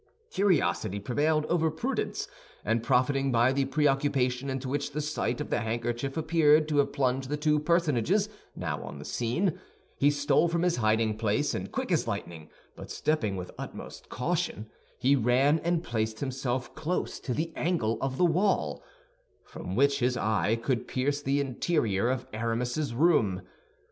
Curiosity prevailed over prudence; and profiting by the preoccupation into which the sight of the handkerchief appeared to have plunged the two personages now on the scene, he stole from his hiding place, and quick as lightning, but stepping with utmost caution, he ran and placed himself close to the angle of the wall, from which his eye could pierce the interior of Aramis's room.